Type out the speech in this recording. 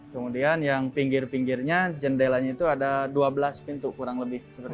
kemudian yang pinggir pinggirnya jendelanya itu ada dua belas pintu kurang lebih